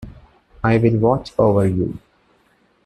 I will watch over you.